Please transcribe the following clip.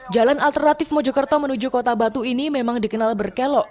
jalan alternatif mojokerto menuju kota batu ini memang dikenal berkelok